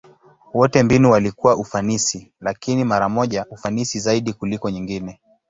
Wote mbinu walikuwa ufanisi, lakini mara moja ufanisi zaidi kuliko nyingine.